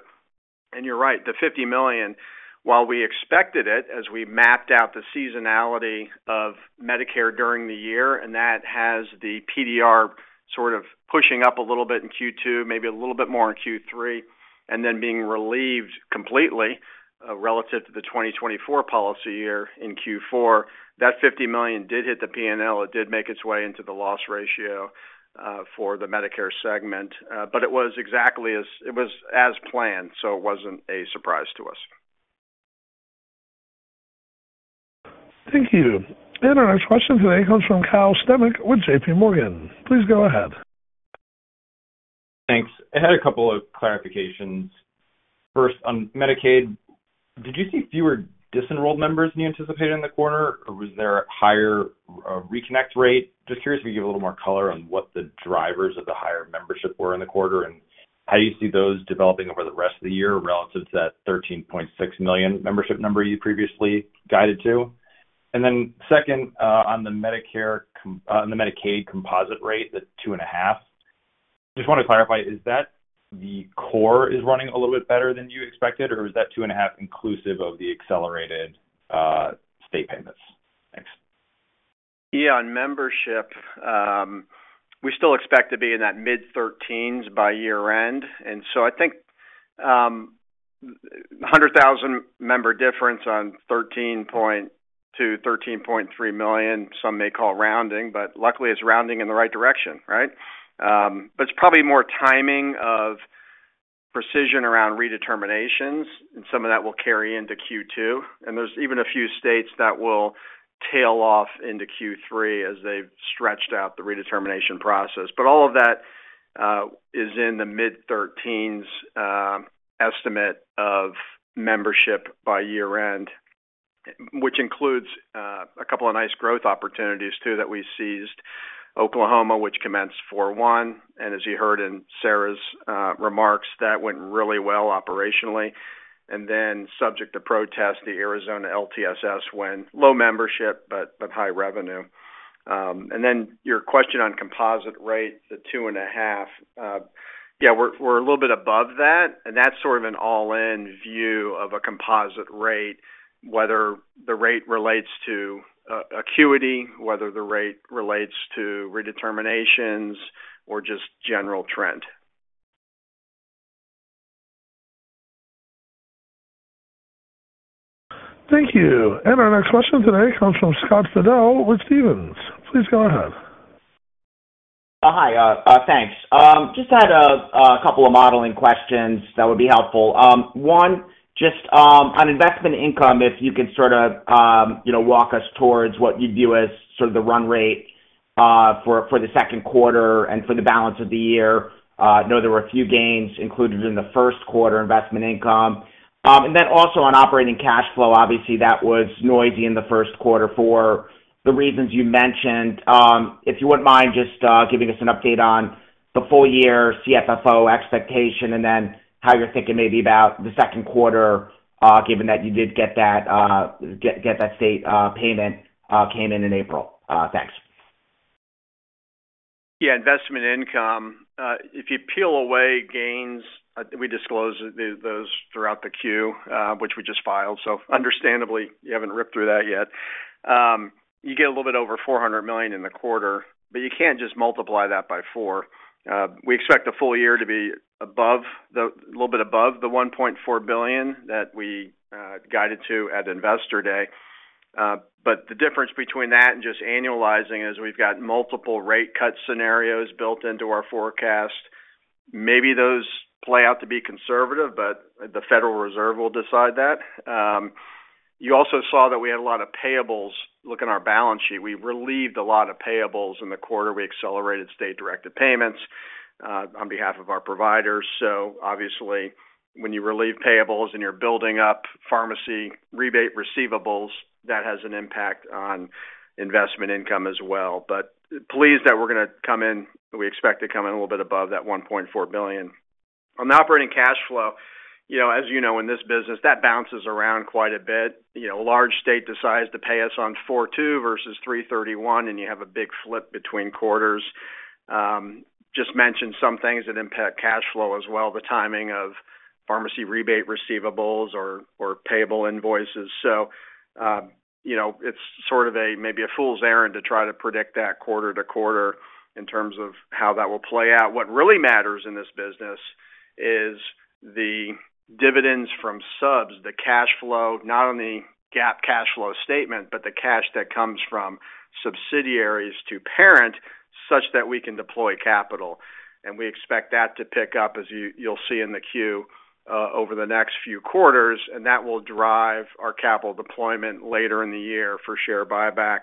And you're right, the $50 million, while we expected it, as we mapped out the seasonality of Medicare during the year, and that has the PDR sort of pushing up a little bit in Q2, maybe a little bit more in Q3, and then being relieved completely relative to the 2024 policy year in Q4.That $50 million did hit the P&L. It did make its way into the loss ratio for the Medicare segment. But it was exactly as planned, so it wasn't a surprise to us. Thank you. Our next question today comes from Cal Sternick with J.P. Morgan. Please go ahead. Thanks. I had a couple of clarifications. First, on Medicaid, did you see fewer disenrolled members than you anticipated in the quarter, or was there a higher reconnect rate? Just curious if you could give a little more color on what the drivers of the higher membership were in the quarter, and how you see those developing over the rest of the year relative to that 13.6 million membership number you previously guided to. And then second, on the Medicare com-- on the Medicaid composite rate, the 2.5. Just want to clarify, is that the core is running a little bit better than you expected, or is that 2.5 inclusive of the accelerated state payments? Thanks. Yeah, on membership, we still expect to be in that mid-thirteens by year-end. And so I think, a 100,000 member difference on 13.2, 13.3 million, some may call rounding, but luckily, it's rounding in the right direction, right? But it's probably more timing of precision around redeterminations, and some of that will carry into Q2. And there's even a few states that will tail off into Q3 as they've stretched out the redetermination process. But all of that is in the mid-13s estimate of membership by year-end, which includes a couple of nice growth opportunities, too, that we seized. Oklahoma, which commenced 4/1/2024, and as you heard in Sarah's remarks, that went really well operationally. And then subject to protest, the Arizona LTSS went low membership, but, but high revenue. And then your question on composite rates, the 2.5. Yeah, we're a little bit above that, and that's sort of an all-in view of a composite rate, whether the rate relates to acuity, whether the rate relates to redeterminations or just general trend. Thank you. Our next question today comes from Scott Fidel with Stephens. Please go ahead. Hi, thanks. Just had a couple of modeling questions that would be helpful. One, just on investment income, if you could sort of, you know, walk us towards what you view as sort of the run rate for the second quarter and for the balance of the year. I know there were a few gains included in the first quarter investment income. And then also on operating cash flow, obviously, that was noisy in the first quarter for the reasons you mentioned. If you wouldn't mind just giving us an update on the full year CFO expectation, and then how you're thinking maybe about the second quarter, given that you did get that state payment that came in in April. Thanks. Yeah, investment income, if you peel away gains, we disclose those throughout the Q, which we just filed, so understandably, you haven't ripped through that yet. You get a little bit over $400 million in the quarter, but you can't just multiply that by four. We expect the full year to be above the, a little bit above the $1.4 billion that we guided to at Investor Day. But the difference between that and just annualizing is we've got multiple rate cut scenarios built into our forecast. Maybe those play out to be conservative, but the Federal Reserve will decide that. You also saw that we had a lot of payables. Look in our balance sheet, we relieved a lot of payables in the quarter. We accelerated state-directed payments on behalf of our providers. So obviously, when you relieve payables and you're building up pharmacy rebate receivables, that has an impact on investment income as well. But pleased that we're gonna come in. We expect to come in a little bit above that $1.4 billion. On the operating cash flow, you know, as you know, in this business, that bounces around quite a bit. You know, a large state decides to pay us on 4/2 versus 3/31, and you have a big flip between quarters. Just mention some things that impact cash flow as well, the timing of pharmacy rebate receivables or, or payable invoices. So, you know, it's sort of a, maybe a fool's errand to try to predict that quarter to quarter in terms of how that will play out. What really matters in this business is the dividends from subs, the cash flow, not only GAAP cash flow statement, but the cash that comes from subsidiaries to parent, such that we can deploy capital. We expect that to pick up, as you'll see in the Q, over the next few quarters, and that will drive our capital deployment later in the year for share buyback,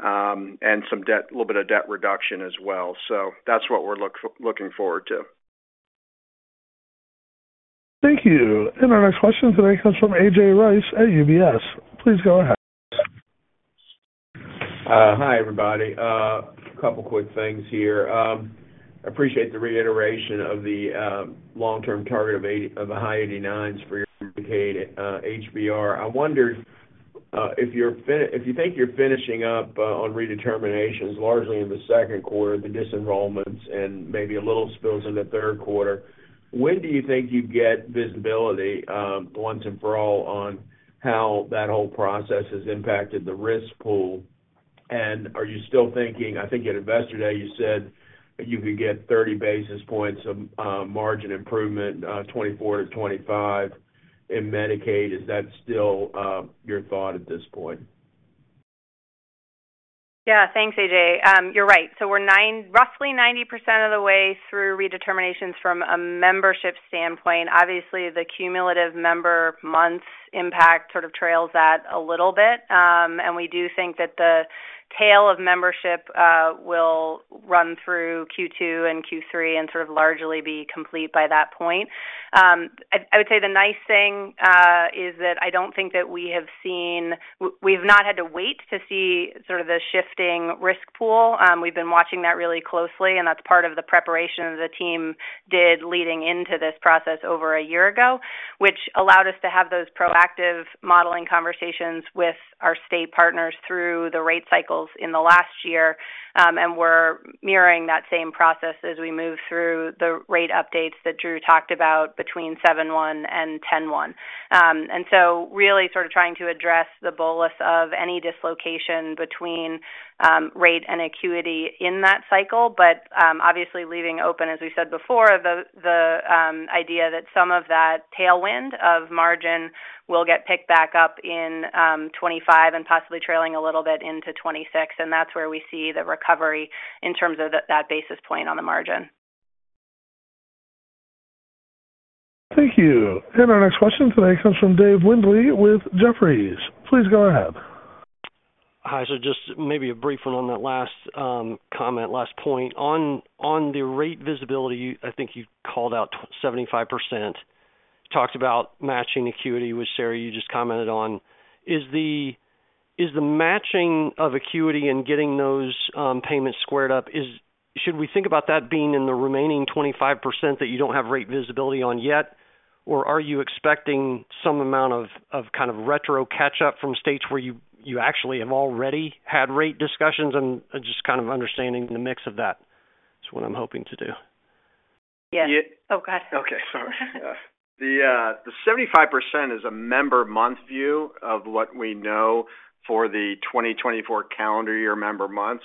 and some debt—a little bit of debt reduction as well. So that's what we're looking forward to. Thank you. Our next question today comes from A.J. Rice at UBS. Please go ahead. Hi, everybody. A couple quick things here. Appreciate the reiteration of the long-term target of the high eighties for your Medicaid HBR. I wondered if you think you're finishing up on redeterminations, largely in the second quarter, the disenrollments, and maybe a little spills in the third quarter, when do you think you'd get visibility, once and for all, on how that whole process has impacted the risk pool? And are you still thinking... I think at Investor Day, you said that you could get 30 basis points of margin improvement, 2024-2025 in Medicaid. Is that still your thought at this point? Yeah. Thanks, A.J. You're right. So we're roughly 90% of the way through redeterminations from a membership standpoint. Obviously, the cumulative member months impact sort of trails that a little bit. And we do think that the tail of membership will run through Q2 and Q3 and sort of largely be complete by that point. I would say the nice thing is that I don't think that we have seen. We've not had to wait to see sort of the shifting risk pool. We've been watching that really closely, and that's part of the preparation the team did leading into this process over a year ago, which allowed us to have those proactive modeling conversations with our state partners through the rate cycles in the last year. And we're mirroring that same process as we move through the rate updates that Drew talked about between 7/1 and 10/1. And so really sort of trying to address the bolus of any dislocation between rate and acuity in that cycle, but obviously leaving open, as we said before, the idea that some of that tailwind of margin will get picked back up in 2025 and possibly trailing a little bit into 2026, and that's where we see the recovery in terms of that basis point on the margin. Thank you. Our next question today comes from David Windley with Jefferies. Please go ahead. Hi. So just maybe a brief one on that last comment, last point. On the rate visibility, I think you called out 75%, talked about matching acuity, which, Sarah, you just commented on. Is the matching of acuity and getting those payments squared up, should we think about that being in the remaining 25% that you don't have rate visibility on yet? Or are you expecting some amount of kind of retro catch-up from states where you actually have already had rate discussions? And just kind of understanding the mix of that, is what I'm hoping to do. Yeah. Yeah- Oh, go ahead. Okay. Sorry. The 75% is a member month view of what we know for the 2024 calendar year member months,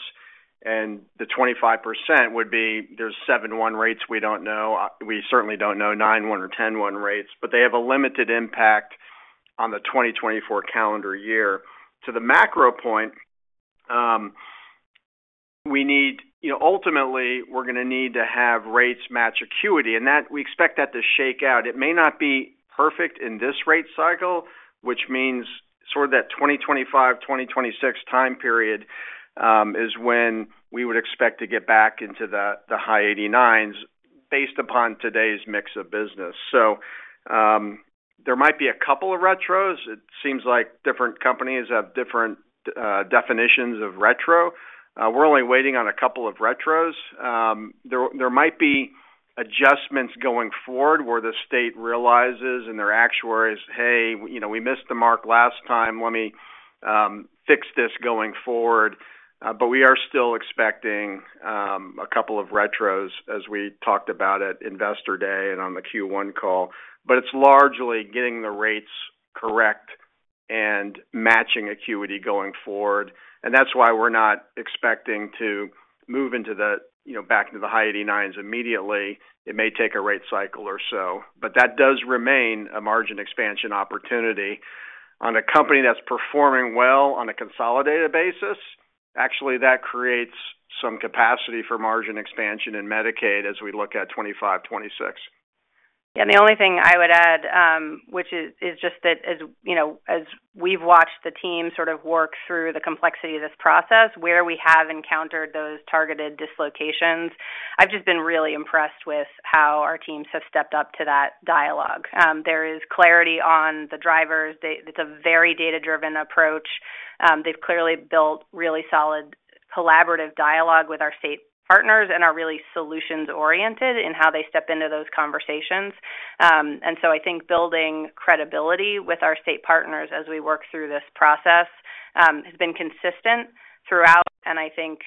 and the 25% would be, there's 7/1 rates we don't know. We certainly don't know 9/1 or 10/1 rates, but they have a limited impact on the 2024 calendar year. To the macro point, we need... You know, ultimately, we're gonna need to have rates match acuity, and that, we expect that to shake out. It may not be perfect in this rate cycle, which means sort of that 2025, 2026 time period, is when we would expect to get back into the, the high 80s, based upon today's mix of business. So, there might be a couple of retros. It seems like different companies have different definitions of retro. We're only waiting on a couple of retros. There might be adjustments going forward, where the state realizes, and their actuaries, "Hey, you know, we missed the mark last time. Let me fix this going forward." But we are still expecting a couple of retros, as we talked about at Investor Day and on the Q1 call. But it's largely getting the rates correct and matching acuity going forward, and that's why we're not expecting to move into the, you know, back into the high 89s immediately. It may take a rate cycle or so, but that does remain a margin expansion opportunity. On a company that's performing well on a consolidated basis, actually, that creates some capacity for margin expansion in Medicaid as we look at 2025, 2026. Yeah, and the only thing I would add, which is just that as, you know, as we've watched the team sort of work through the complexity of this process, where we have encountered those targeted dislocations, I've just been really impressed with how our teams have stepped up to that dialogue. There is clarity on the drivers. It's a very data-driven approach. They've clearly built really solid collaborative dialogue with our state partners and are really solutions-oriented in how they step into those conversations. And so I think building credibility with our state partners as we work through this process has been consistent throughout, and I think,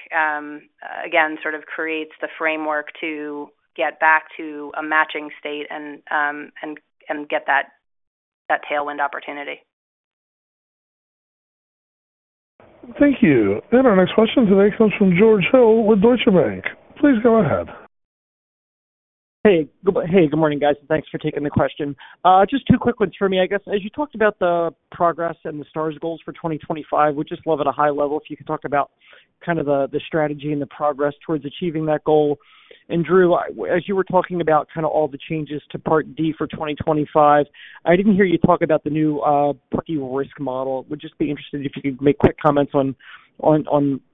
again, sort of creates the framework to get back to a matching state and get that tailwind opportunity. Thank you. And our next question today comes from George Hill with Deutsche Bank. Please go ahead. Hey, good morning, guys. Thanks for taking the question. Just two quick ones for me. I guess, as you talked about the progress and the Star Ratings goals for 2025, would just love at a high level if you could talk about kind of the strategy and the progress towards achieving that goal. And Drew, as you were talking about kind of all the changes to Part D for 2025, I didn't hear you talk about the new Part D risk model. Would just be interested if you could make quick comments on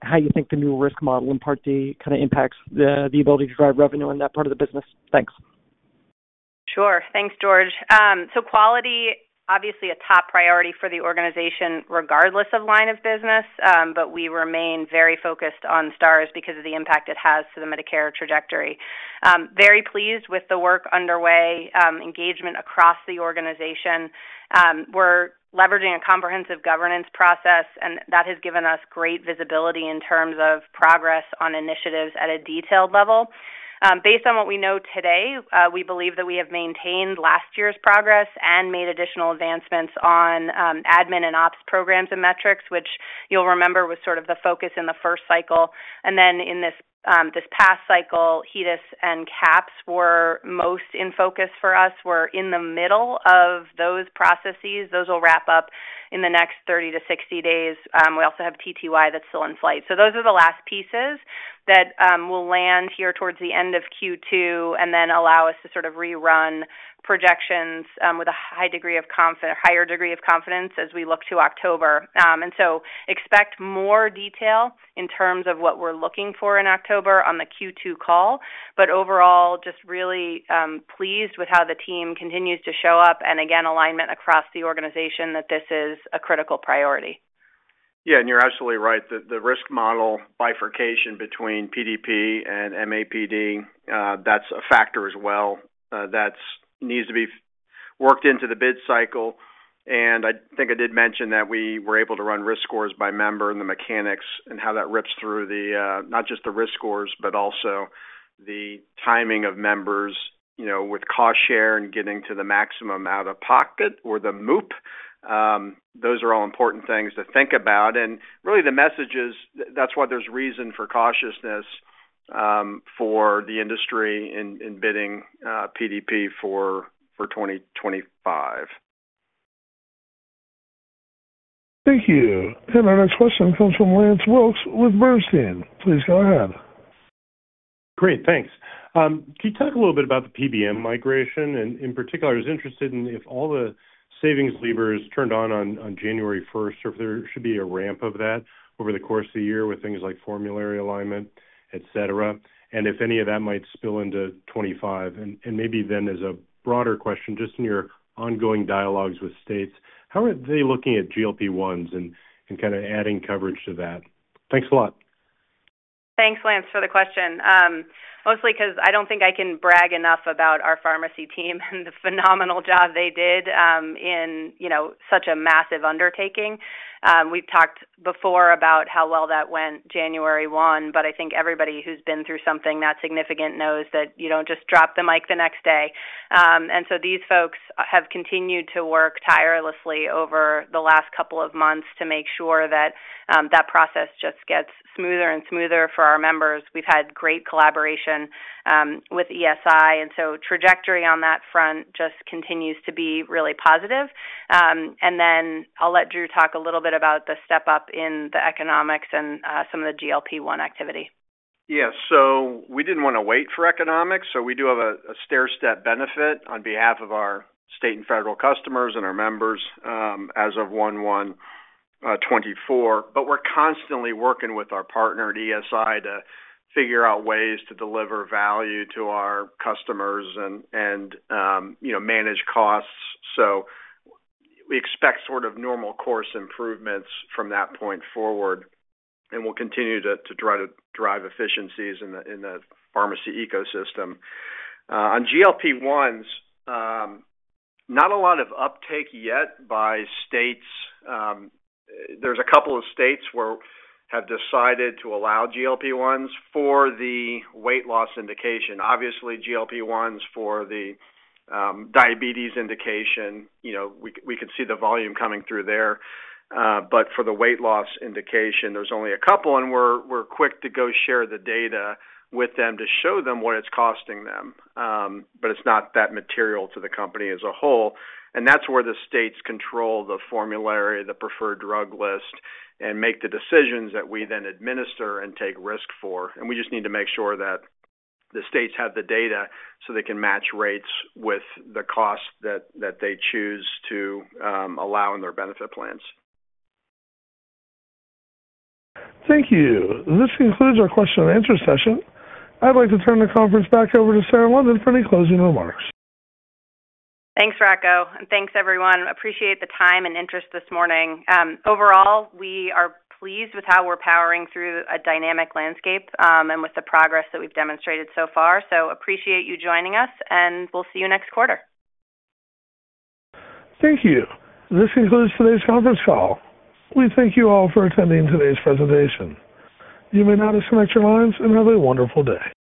how you think the new risk model in Part D kind of impacts the ability to drive revenue in that part of the business? Thanks. Sure. Thanks, George. So quality, obviously a top priority for the organization, regardless of line of business, but we remain very focused on Stars because of the impact it has to the Medicare trajectory. Very pleased with the work underway, engagement across the organization. We're leveraging a comprehensive governance process, and that has given us great visibility in terms of progress on initiatives at a detailed level. Based on what we know today, we believe that we have maintained last year's progress and made additional advancements on admin and ops programs and metrics, which you'll remember was sort of the focus in the first cycle. And then in this past cycle, HEDIS and CAHPS were most in focus for us. We're in the middle of those processes. Those will wrap up in the next 30-60 days. We also have TTY that's still in flight. So those are the last pieces that will land here towards the end of Q2, and then allow us to sort of rerun projections with a higher degree of confidence as we look to October. And so expect more detail in terms of what we're looking for in October on the Q2 call. But overall, just really pleased with how the team continues to show up, and again, alignment across the organization, that this is a critical priority. Yeah, and you're absolutely right. The risk model bifurcation between PDP and MAPD, that's a factor as well. That needs to be worked into the bid cycle, and I think I did mention that we were able to run risk scores by member and the mechanics, and how that rips through, not just the risk scores, but also the timing of members, you know, with cost share and getting to the maximum out-of-pocket, or the MOOP. Those are all important things to think about, and really, the message is, that's why there's reason for cautiousness, for the industry in bidding PDP for 2025. Thank you. And our next question comes from Lance Wilkes with Bernstein. Please go ahead. Great, thanks. Can you talk a little bit about the PBM migration? And in particular, I was interested in if all the savings levers turned on January first, or if there should be a ramp of that over the course of the year with things like formulary alignment, et cetera. And if any of that might spill into 2025. And maybe then, as a broader question, just in your ongoing dialogues with states, how are they looking at GLP-1s and kinda adding coverage to that? Thanks a lot. Thanks, Lance, for the question. Mostly 'cause I don't think I can brag enough about our pharmacy team and the phenomenal job they did, in, you know, such a massive undertaking. We've talked before about how well that went January one, but I think everybody who's been through something that significant knows that you don't just drop the mic the next day. And so these folks have continued to work tirelessly over the last couple of months to make sure that, that process just gets smoother and smoother for our members. We've had great collaboration, with ESI, and so trajectory on that front just continues to be really positive. And then I'll let Drew talk a little bit about the step-up in the economics and, some of the GLP-1 activity. Yeah, so we didn't wanna wait for economics, so we do have a stairstep benefit on behalf of our state and federal customers and our members, as of 1/1/2024. But we're constantly working with our partner at ESI to figure out ways to deliver value to our customers and, and, you know, manage costs. So we expect sort of normal course improvements from that point forward, and we'll continue to try to drive efficiencies in the pharmacy ecosystem. On GLP-1s, not a lot of uptake yet by states. There's a couple of states where have decided to allow GLP-1s for the weight loss indication. Obviously, GLP-1s for the diabetes indication, you know, we could see the volume coming through there, but for the weight loss indication, there's only a couple, and we're quick to go share the data with them to show them what it's costing them. But it's not that material to the company as a whole, and that's where the states control the formulary, the preferred drug list, and make the decisions that we then administer and take risk for. We just need to make sure that the states have the data so they can match rates with the costs that they choose to allow in their benefit plans. Thank you. This concludes our question and answer session. I'd like to turn the conference back over to Sarah London for any closing remarks. Thanks, Rocco, and thanks, everyone. Appreciate the time and interest this morning. Overall, we are pleased with how we're powering through a dynamic landscape, and with the progress that we've demonstrated so far. Appreciate you joining us, and we'll see you next quarter. Thank you. This concludes today's conference call. We thank you all for attending today's presentation. You may now disconnect your lines and have a wonderful day.